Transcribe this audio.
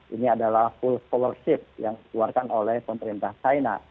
ini adalah full scholarship yang dikeluarkan oleh pemerintah china